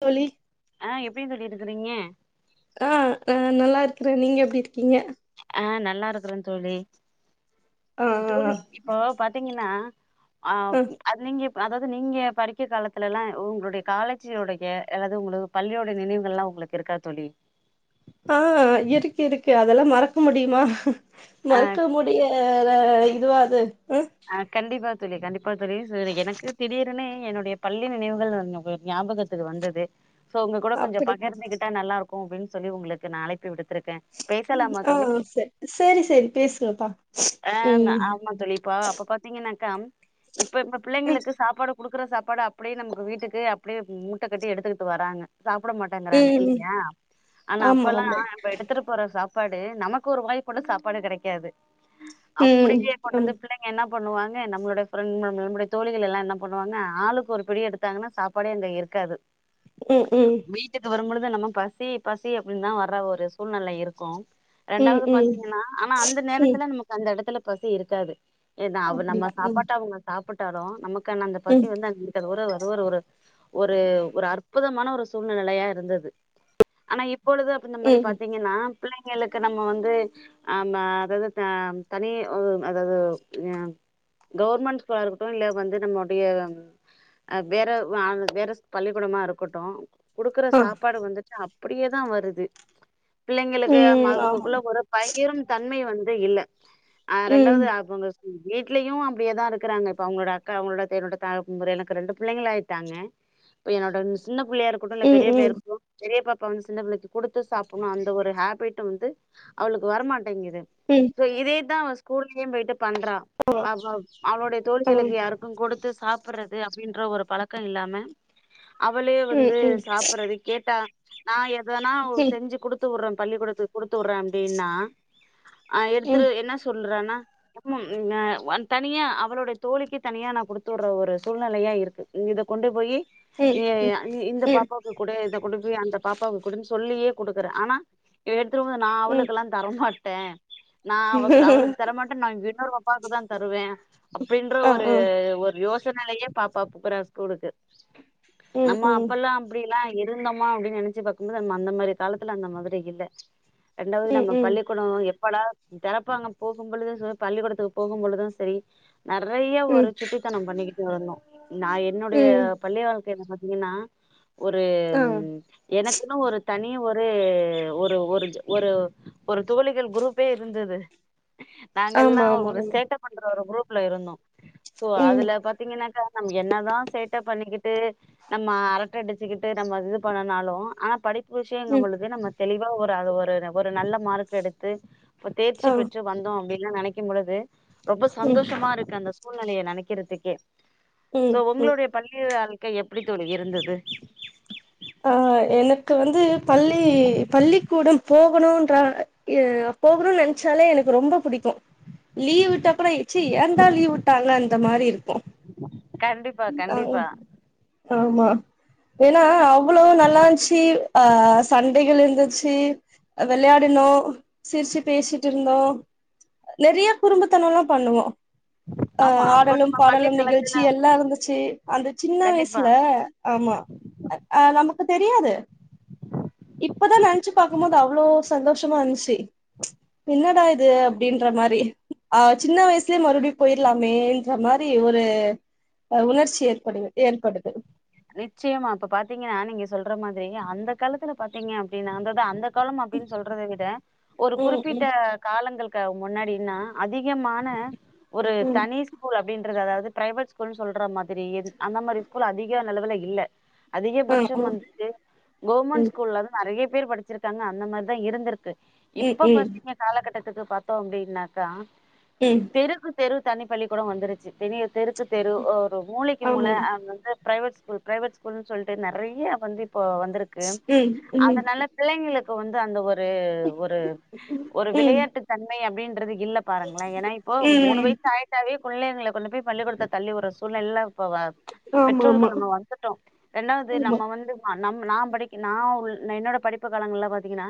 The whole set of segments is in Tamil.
தோழி அ எப்டி தோழி இருக்குறீங்க ஆ ஆ நல்லா இருக்குறே நீங்க எப்புடி இருக்கீங்க ஆ நல்லா இருக்கறன் தோழி ஆ தோழி இப்போ பாத்தீங்கன்னா ஆ அது நீங்க அதாது நீங்க படிக்க காலத்துல எல்லா உங்களுடைய காலேஜ் உடைய அல்லாது உங்களு பள்ளியோடைய நினைவுகள் எல்லா உங்களுக்கு இருக்கா தோழி ஆ இருக்கு இருக்கு அதெல்லா மறக்க முடியுமா ஆ மறுக்க முடிய யற இதுவா அது அ ஆ கண்டிப்பா தோழி கண்டிப்பா தோழி சரி எனக்கு திடீர்னு என்னுடைய பள்ளி நினைவுகள் கொஞ்ச் ஞாபகத்துக்கு வந்தது சோ உங்க கூட கொஞ்சோ அப்படியா பகிர்ந்துகிட்டா நல்லா இருக்கு கூப்ன்னு சொல்லி உங்களுக்கு நா அழைப்பு விடுத்துருக் ம் ஆ செரி செரி செரி பேசுங்கப்பா எ ம் ஆமாந் தோழி இப்போ அப்ப பாத்தீங்கன்னாக்கா இப்ப இப்ப ம் பிள்ளைங்களுக்கு சாப்பாடு குடுக்குற சாப்பாட அப்படியே நமக்கு வீட்டுக்கு அப்படியே மூட்ட கட்டி எடுத்துக்கிட்டு வராங்க சாப்பிட மாட்டேங்கறாங்க ம் ம் இல்லையா ஆனா ஆமா அப்பெல்லா ஆமா இப்ப எடுத்துட்டு போற சா ப்பாடு நமக்கு ஒரு வாய் கூட சாப்பாடு கெடைக்காது ம் அப்படியே ஆமா கொண்டாந்து பிள்ளைங்க என் ன பண்ணுவாங்க நம்மளோட ஃப்ரெண் நம்மளுடைய தோழிகள் எல்லா என்ன பண்ணுவாங்க ஆளுக்கு ஒரு பிடி எடுத்தாங்கன்னா சாப்பாடே அங்க இருக்காது ம் ம் வீட்டுக்கு வரும்பொழு து நம்ம பசி பசி அப்படின்னுதான் வர்ற ஒரு சூழ்நில இருக்கு ம் ரெண்டாவது ம் பாத்தீங்கன்னா ஆனா அந்த நேர ம் நமக்கு அந்த எடத்துல பசி இருக்காது ஏனா அவர் நம்ம அப்டியா ம் சாப்பாட்ட அவுங்க சா ப்பிட்டாரோ நமக் கு அந்த பசி ம் வந்து அங் இருக்காது உறவ அது ஒரு ஒரு ஒரு அற்புதமான ஒரு சூழ்நிலையா இருந்தது ஆனா இப் பொழுது அப்ப இந்த மாரி ம் பாத்தீங்கன்னா பிள்ளைங்களுக்கு நம்ம வந்து ஆம அதது அ தனி ஒ அதாவது ப்ச் கவர்மெண்ட் ஸ்கூலா இருக்கட்டு இல்ல வந்து நம்முடைய அ வேற ஆ வேற பள்ளிக்கூடமா இருக்கட்டு குடுக்குற ஆ சாப்பாட வந்துட்டு அப் அப்படியேதா வருது பிள்ளைங்களுக்கு அம் ம் ஆமா அவுங்களுக்குள்ள ஒரு பகிரும் தன்மை வந் து இல்ல அ ம் ரெண்டாவது அவுங்க வீட்லயு அப்டியேதா இருக்கறாங்க இப்ப அவங்களோட அக்கா அவங்களோட என்னோட த எனக்கு ரெண்டு புள்ளைங்களாயிட்டாங்க இப்போ என்னோட சின்ன புள்ளையா இருக்கட்டு இல்ல ம் பெரிய புள்ளையா ம் இருக்கட்டு பெரியா பாப்பா வந்து சின்ன பிள்ளைக்கு குடுத்து சாப்பணு அந்த ஒரு ஹேபிட் வந்து அவளுக்கு வரமாட்டேங்குது ம் சோ இதேதா அவ ஸ்கூல்லயு போய்ட்டு பண்றா அவ அவளுடைய ஆ தோழிகளுக்கு ம் யாருக்கு கொடுத்து சாப் படுறது அப்டின்ற ஒரு பழக்க இல்லாம அவளே வந்து ம் ம் சாப்பிடறது கேட்டா நா எ தனா ம் செஞ்சு குடுத்து வுடற பள்ளிக்கூடத்துக்கு குடுத் துடறே அப்டின்னா எடுத்துரு என்ன சொல் ன்னா ம் தனியா அவளுடைய தோழிக்கு தனியா நா குடுத்துடுற ஒரு சூழ்நிலையா இருக்கு இத கொண்டு போயி இ ம் இந்த ம் பாப்பாக்கு குடு இது கொண்டு போய் அந்த பாப்பாக்கு குடுனு சொல்லியே குடுக்குற ஆனா ந்து நா ம் அவளுக்குலா தரமாட் ட நா அவ ம் அவளுக்கு தரமாட்ட நா இன்னோரு பாப்பாக்குதா தருவே அப்பின்ற ஆ ஒரு ஆ ஒரு யோச னைலயே பாப்பா போறா ஸ்கூலுக்கு ம் நம்ம ம் அப்பெல்லா அப்டில்லா இருந்தமா அப்டின் நெனைச்சு பாக்கும்போது நம்ம அந்த மாரி காலத்துல அந்த மாதிரி இல்ல ரண்டாவுது ம் நம்ம ம் பள்ளிகூட எப் படா தெறப்பாங்க போகும் பொழுது ச பள்ளிக்கூடத்துக்கு போகும் பொழுது சரி நெறைய ஒரு ம் சுட்டித்தன பண்ணிக்கிட்டு இருந்தோ நா என்னுடைய ம் பள்ளி வாழ்க்கைய திங்கனா ஒரு ஆ எனக்குனு ஒரு தனிய ஒரு ஒரு ஒரு ஒரு ஒரு தோழிகள் குரூப் பேய் இருந்தது நாங்கல்லா ஆமா ஆமா ஒரு ஆமா சேட்ட பண்ற ஒரு குரூப் குரூப் ல இருந்தோ சோ ம் அதுல பாத்தீங்கன்னாக்கா நம்ம என்னாதா சேட்ட பண்ணிக்கிட்டு நம்ம அரட்ட அடிச்சுக்கிட்டு நம்ம இது பண்ணுனாலு ஆனா படி புருசேங்க ம் பொழுதே நம்ம தெளிவா ஒரு அது ஒரு ஒரு நல்ல மார்க் எடுத்து இப்ப தேர்ச்சி ஆ பெற்று வந்தோ அப்டின் எல்லா நெனைக்கும் பொழுது ரொம்ப ம் சந்தோஷமா இருக்கு அந்தஸ் சூழ்நெலய நெனைக்கறதுக்கே ம் சோ ம் உங்களுடைய பள்ளி அ க்க எப்படி தோழி இருந்தது ஆ எனக்கு வந்து பள்ளி பள்ளிக்கூட போகணும்ன்றா அ போகணும்னு நினைச்சாலே எனக்கு ரொம்ப புடிக்கு லீவ் விட்டப்பற ச்சி ஏன்டா லீவ் விட்டாங்க அந்த மாரி இருக்கு கண்டிப்பா அ ஆ கண்டிப்பா ஆமா ஏனா அவ்ளோ நல்லாஞ்ச்சு ஆ சண்டைகள் இருந் ரிச்சு விளையாடினோ சிரிச்சு பேசிட்ருந்தோ நெறைய குறும்புதனம்ல்லா பண்ணுவோ ஆ ஆமா அப்ப ஆடலும் நம்ம பள்ளி பாடலும் காலத்துல நிகழ்ச்சி எல்லா இருந்துச்சு அந்த சின்ன கண்டிப்பா வயசுல ஆமா நமக்கு தெரியாது இப்பதா நினைச்சு பாக்கும்போது அவ்ளோ சந்தோசமா இருதுச்சு என்னடாது அப்டின்ற மாரி ஆ சின்ன வயசுலே மறுபடியு போயிரலாமேன்ற மாரி ஒரு உணர்ச்சி ஏற்படுது ஏற்படுது நிச்சயமா இப்ப பாத்தீங்க ஆ நீங்க சொல்ற மாதிரி அந்த காலத்துல பாத்தீங்க அப்படின்னாந்ததா அந்த காலம் அப்படின்னு சொல்றத விட ஒரு ம் குறிப்பிட்ட ம் காலங்கள் க முன்னாடினா அதிகமான ஒரு ம் தனி ஸ்கூல் அப்டின்னு க்குறது அதாவது பிரைவேட் ஸ்கூல்னு சொல்ற மாதிரி அந்த மாரி ஸ்கூல் அதிக யோ அளவுல இல்ல ம் ம் அதிகபட்சம் வந்துட்டு கவர்மெண்ட் ஸ்கூல்லதா நெறைய பேர் படிச்சிருக்காங்க அந்த மாரிதா இருந்திருக்கு ம் ம் இப்ப பாத்தீங்க காலகட்டத் த்துக்கு பாத்தோ அப்டின்னாக்கா ம் ம் தெருக்கு தெரு தனிப்பள்ளி கூடோ வந்துருச்சு தனி தெருக்கு தெரு ஒ இப்போ மூலைக்கு மூல ஆமா அ வந்து ப்ரைவேட் ஸ்கூல் ப்ரைவேட் ஸ்கூல்ன்னு சொல்ட்டு நெறைய வந்து இப்போ வந்துருக்கு ம் ம் அதனால பிள்ளைங்களுக் கு வந்து அந்த ஒரு ஒரு ஒரு ஒரு ம் ம் விளையாட்டு தன்மை அப்டின் இல்ல பாருங்ளேன் ஏன்னா இப்போ மூணு வய்சு ஆய்ட்டாவே புள்ளைங்கள கொண்டு போய் பள்ளிக்கூடத்ல தள்ளி வுட்ற சூழ்நிலைலா இப் ச்ச் ஆமா ஆமா பெற்றோர்கள் நம்ம வந்துட்டோ ரெண்டாவ்து ஆமா நம்ம வந்து [unintelligible] நம் நா படிக்க நா உள் என்னோட படிப்பு காலங்கள்ல பாத்தீங்கனா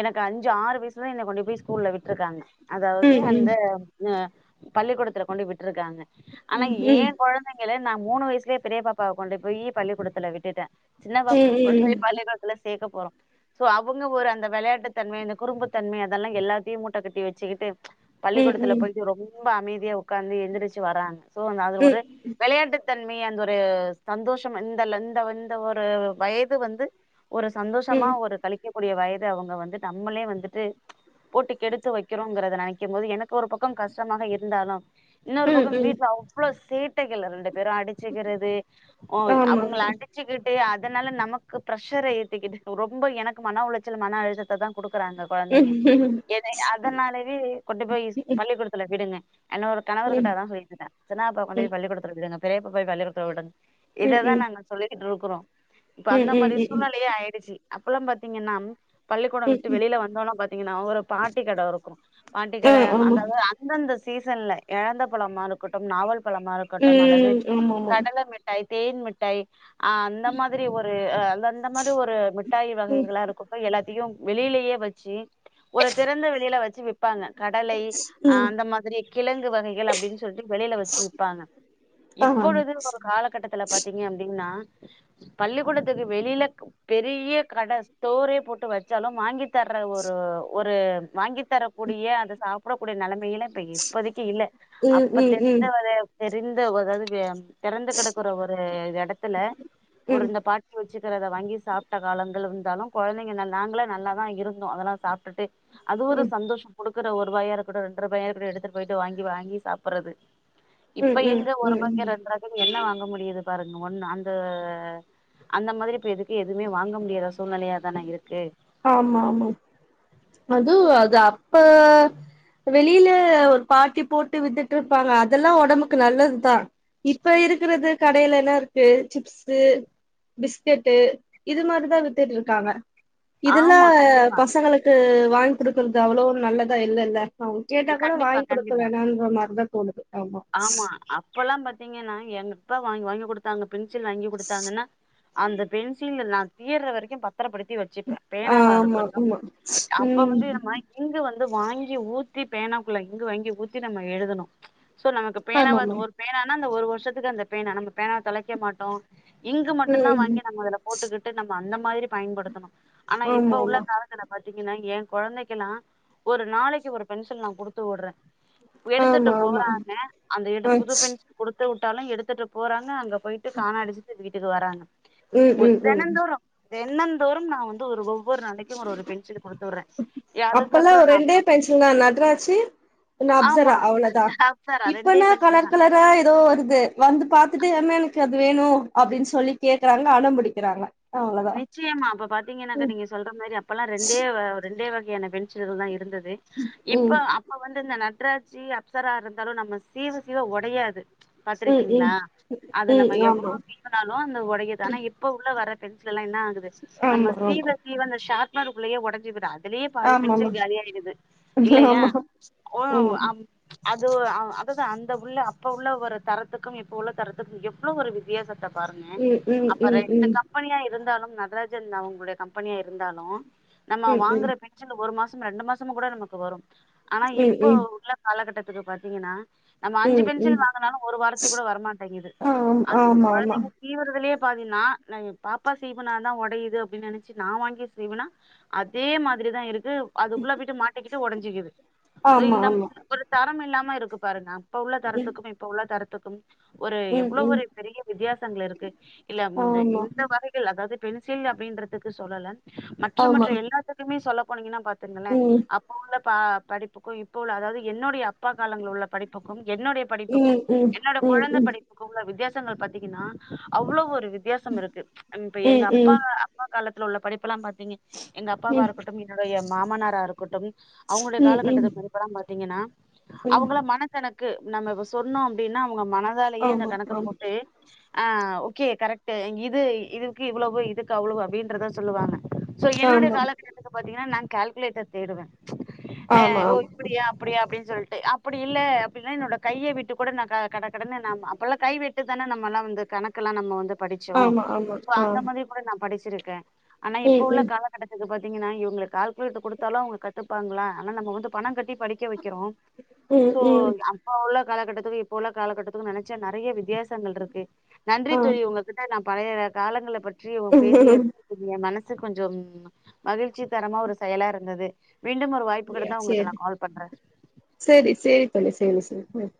எனக்கு அஞ்சு ஆறு வய்சுல என்ன கொண்டு போய் ஸ்கூல்ல விட்ருக்காங்க அதாவது ம் ம் அந்த அ பள்ளிக்கூடத் த்துல கொண்டு விட்ருக்காங்க ஆனா ம் ம் ம் ம் ம் ம் ஏ கொழந்தைங்க ள நா மூனு வய்ஸ்லே பெரிய பாப்பா கொண்டு போய் பள்ளி கூடத்துல விட்டுட்ட சின்ன பாப்பா கொண்டு போய் பள்ளி கூட்த்துல சேக்க போறோ சோ அவுங்க ஒரு அந்த வெளையாட்டு தன்மை இந்த குறும்புத்தன்மை அதெல்லா எல்லாத்தியு மூட்ட கட்டி வெச்சுக்கிட்டு பள்ளிக்கூடத்துல போய்ட்டு ரொம் ம்ப அமைதியா உக்காந்து எந்திரிச்சு வராங்க சோ அந்த அதுல ஒரு வெளயாட்டு தன்மைய அந் ஒ ரு சந்தோஷம் இந்த ல இந்த இந்த ஒரு வயது வந்து ஒரு ம் சந்தோஷமா ம் ஒரு கழிக்கு கூடிய வயது அவுங்க வந்து நம்மளே வந்துட்டு ச்ச் போட்டு கெடுத்து வைக்கிறோங்கிறத நென க்கும் போது எனக்கு ஒரு பக்கோ கஷ்டமாக இருந்தாலு இன்னொரு ம் பக்கோ ம் வீட்ல அவ்ளோ சேட்டைகள் ரெண்டு பேரு அடிச்சு க்கிறது அ ஆமா அவுங்கள ஆமா அடிச்சுக்கிட்டு அ அதனால நமக்கு ப்ரெஷர ஏத்திக்கிட்டு ஒ ரொம்போ எனக்கு மன உளச்சல் மன அழுதத்த தா குடுக்குறாங்க கொழந்தைங்க ம் ம் ம் ம் ம் ம் ம் ம் ம் ம் ம் எத அதனாலவே கொண்டு போய் ஸ் பள்ளிக்கூடத்துல விடுங்க என்னோர் கணவருகிட்ட தா சொல்ட்ருக்கே சின்னா பாப் கொண்டோய் பள்ளிகூடத்துல விடுங்க பெரிய பாப்பா [unintelligible] த்த உடன் இததா நாங்க சொல்லிட்கிட்ருக் அப்பறோ இப்ப அந்த மாரி சூழ்நிலயே ஆயிருச்சு அப்பல்லா பாத்தீங்கன்னாம் பள்ளிக்கொடம் விட்டு வெளில வந்தோன பாத் த்தீங்கன்னா ஒரு பாட்டி கட இருக்கு பாட்டி ஆ கட ஆமா அந்தாது அந்தந்த ஸ் சீசன்ல எழந்த பழமா இருக்கட்டு நாவல் பழமா இருக்கட்டு அல்லது ம் ஆமாமா கடல மிட்டாய் தேன் மிட்டாய் அ அந்த மாரி ஒரு அந்த அந்த மாரி ஒரு மிட்டாயி ம் வகைகளா இருக்கட்டு எல்லாத்தையு வெளிலேயே வச்சு ஒரு திறந்த வெளியில வச்சு விப்பாங்க கடலை அ ம் அந்த மாதிரி கிழங்கு வகைகள் அப்டின்னு சொல்ட்டு வெளியில வச்சு விப்பாங்க ஆ ம் இப்பொழுது ஒரு காலகட்டத்துல பாத்தீங்க அப்டின்னா பள்ளிக்கூடத்துக்கு வெளில பெரிய கடை ஸ்டோரே போட்டு வச்சாலு வாங்கி தர்ற ஒரு ஒர் வாங்கி தரக்கூடிய அத சாப் போக்கூடிய நலமை [unintelligible] இப்போதைக்கு இல்ல ம் அப்ப ம் தெரிஞ்ச ம் ஒரு தெரிந்தவர்கள் [unintelligible] தெறந்து கெடக்கற ஒரு இடத்துல ஒரு இந்த பாட்டி வச் வச்சுக்கிறத வாங்கி சாப்பிட்ட காலங்கள் இருந்தாலு கொழந்தைங்க நாங்களே நல்லா தான் இருந்தோம் அதெல்லா சாப்ட்டுட்டு அது ஒரு சந்தோஷ கொடுக் இருக்கற ஒரு ரூபாயா இருக்கட்டும் ரெண்ரூபாயா இருக்கட்டு எடுத்துட்டு போயிட வாங்கி வாங்கி சாப்பறது ம் ம் ம் ம் என்ன வாங்க முடியுது பாருங்க ஒண்ணு அந்த அந்த மாதிரி இ எதுக்கு எதுவுமே வாங்க முடிய ஆமாமா அது அது அப் அப்ப வெளி கீழஒரு பாட்டி போட்டு வித்துட்டு இருப்பாங்க அதெல்லாம் உடம்புக்கு நல்லதுதா இப்ப இருக்கிறது கடேலேலா இருக்கு சிப்ஸு பிஸ்கெட்டு இது மாரிதா வித்துட்டு இருக் காங்க இதெல்லா ஆமா கண்டிப்பா பசங்களுக்கு வாங்கி குடுக்குறது அவ்ளோ நல்லதா இல்லேல்ல அவன் கேட்டா கூட கண்டிப்பா வாங்கி குடுக்க கண்டிப்பா வேணான்ற மாரிதா தோணுது ஆமா அப்பல்லா பாத்தீங்கன்னா எங்க [unintelligible] வாங்கி வாங்கி குடுத்தாங்க பென்சில் வாங்கி குடுத்தாங்கன்னா அந்த பென்சில நான் தீர்ர வரைக்கு பத் பத்தறப்படுத்தி வச்சுப்பே பேனாவா ஆமா இருக்கட்டு அப்ப வந்து இந்த மாரி கிங் வந்து வந்து வாங்கி ஊத்தி பேனாக்குள்ள இங்கு வாங்கி ஊத்தி நம்ம எழுதனு ச் சோ நமக்கு பேனாவாது ஆமா ம் ஆமாமா ஒரு பேனானா ஒரு வருஷத்துக்கு அந்த பேனா நம்ம பேனாவ தொலைக்க மாட்டோ இங்கு மட்டும்தான் ம் வாங்கி நம்ம அதுல போட்டுக்கிட்டு நம்ம அந்த மாரி பயன்படுத்துனோ ஆனா ஆமா இப்ப உள்ள ஆமா காலத்துல பாத் தீங்கன்னா என் கொழந்தைக்கெல்லா ஒரு நாளைக்கு ஒரு பென்சில் நா குடுத்து வுட்றே எடுத்துட்டு ஆமா ஆமா போறா அந்த இட ஆ புது பென்சி குடு குடுத்து விட்டாலும் எடுத்துட்டு போறாங்க அங்க போய்ட்டு காண அடிச்சுட்டு வீட் வீட்டுக்கு வாராங்க ம் ம் ம் தெனந்தோறு தெனந்தோறும் நா வந்து ஒரு [unintelligible] ஒவ்வொரு நாளைக்கும் ஒரு ஒரு பென்ஷில் குடுத் துவுர்ரே அப்பல்லாம் ரெண்டே பென்சில்தா நட்ராச்சு ஒன்னு ஆமா அப்ஜரா அவ்ளோதான் அப்சரா ரெண்டே இப்பன்னா பென்சில் கலர் தா கலரா எதோ வருது வந்து பாத்துட்டு என்ன என கு அது வேணும் அப்டின்னு சொல்லி கேக்குறாங்க அடம்புடிக்குறாங்க நிச்சயிமா அப்ப பாத்தீங்கன்னாக்கா நீங்க சொல்ற மாரி அப்பெல்லாம் ரெண்டே வ ரெண்டே வ கையான பென்சில்க தா இருந்தது து ம் இப்ப அப்ப வந்து இந்த நட் நட்ராஜி அப்சரா இருந்தாலும் நம்ம சீவ சீவ ஒடையாது ம் பாத்திருக்கிங்ளா அது ம் நம்ம ம் எவ்ளோ சீவுனாலு அந்த ஒடையது ஆனா இப்ப உள்ள வர பென்சில் எல்லா என்ன ஆகுது நம்ம ஆமா ஆமா சீவ சீவ அந்த ஷார்ப் னருக்குள்ளயே ஒடஞ்சுருது அதுலயே பாதி ஆமா ஆமாமா பென்சில் காலி‌ ஆயிடுது இல்லையா ஒ ஆமா அ அது அதுதா அந்த உள்ள அப்ப உள்ள ஒரு தரத்துக்கும் இப்ப உள்ள தரத்துக்கும் எவ்ள ஒரு வித்தியாச த்த பாருங்க ஆமா ம் ம் ம் ம் ம் ம் அப்ப ரெண்டு க இருந்தாலும் நடராஜன் அவங்களுடைய கம்பெனியா இருந்தாலு நம்ம ம் வாங்கற பென்சில் ஒரு மாச ம் ரெண்டு மாசமு கூட நமக்கு வரும் ஆனா இப்ப உள்ள காலகட்டத் துக்கு பாத்திங்கனா நம்ம ம் அஞ்சு ம் ம் பென்சில் வாங்குனாலு ஒரு வாரத்துக்கு கூட வரமாட்டேங்குது ஆ அது ஆமா ஆமா கொழந்தைங்க சீவறதுலயே பாத்திங்னா நீ பாப்பா சீவுனாதா ஒடையுது அப்டின்னு நெனைச்சு நா வாங்கி சீவுனா அதே மாதிரிதா இருக் கு அதுக்குள்ள விட்டு மாட்டிக்கிட்டு ஒடஞ்சுக்கிது ஆமா இந்த ஆமா மாரி ஒரு தரம் இல்லாம இருக்கு பாருங்க அப்ப உள்ள ம் தரத்துக்கும் இப்ப உள்ள தரத்துக் ஒரு ம் எவ்ள ம் ஒரு பெரிய வித்தியாசங்கள் இருக்கு இல்ல ஆமா இந்த வகைகள் அதாது பென்சில் அப்டின்றதுக்கு சொல்லல மற்ற மற்ற ஆமா எல்லாத்துக்குமே சொல்ல போனிங்கனா பா த்துங்களே ம் அப்ப உள்ள பா படிப்புக்கு இப்ப உள்ள அதாவது என்னுடைய அப்பா காலங்கள்ல உள்ள படிப்புக்கும் என்னுடைய ம் ம் படிப்புக்கும் ம் என்னோட ம் ம் கொழந்த ம் படிப்புக்கு உள்ள வித்யாச ங்கள் பாத்திங்கனா அவ்ள ஒரு வித் தியாசம் இருக்கு இப்ப எங்க அப்பா அப்பா காலத்துல உள்ள படிப்பெல்லா பாத் திங்க எங்க அப்பாவா இருக்கட்டும் என்னுடைய மாமனாரா இருக்கட்டும் அவங்களுடைய ம் ம் ம் காலகட்டத்து படிப்பெல்லா பாருங்க திங்கனா ம் அவுங்களா மனகணக் கு நம்ம இப்ப சொன்னோ அப்டினா அவ்ங்க மனதாலயே அந்த ஆமா கணக்க ஆமா போட்டு ஆ ஓகே கரெக்ட்டு எங் இது இதுக்கு இவ்ளோவு இதுக்கு அவ்ளோவு அப்டின்றத சொல்லுவாங்க சோ என்னுடைய காலகட்டத்துக்கு பாத்தீங்னா நாங் கேல்குலேட்டர் தேடுவே ஆ ஆமா ஆமா ஓ ஆமா இப்டியா அப்டியா அப்டின்னு சொல்ட்டு அப்டி இல்ல அப்டினா என்னோட கைய விட்டு கூட நா க கட கடனு நாம் அப்பலா கை விட்டு தானே நம்மலா வந்து கணக்குலா நம்ம வந்து படிச்சோ ஆமா ஆமா சோ ஆ அந்த மாதிரி கூட நாம் படிச்சிருக்கே ஆனா இப்ப ம் உள்ள ம் காலகட்டத்துக்கு பாத் இங்கனா இவ்ங்க கால்குலேட்டர் குடுத்தாலு அவ்ங்க கத்துப்பாங்ளா ஆனா நம்ம வந்து பணங்கட்டி படிக்க வக்கிறோ ம் சோ ம் அப்ப உள்ள காலகட்டத்துக்கு இப்போ உள்ள காலகட்டத்துக்கு நெனச்சா நெறைய வித்தியாசங்கள் இருக்கு நன்றி ஆ தோழி உங்ககிட்ட நா பழையதாது காலங்கள பொறுத் ற்றி நம்ம பேசியத் தெரிமா மனசு சு கொஞ்சம் மகிழ்ச்சி தரமா ஒரு செயலா இருந்தது மீண்டும் ஒரு வாய்ப்பு கிடைத்தா [unintelligible] உங்களுக்கு நா கால் பண்றே சேரி சேரி தோழி சேரி சேரி ம்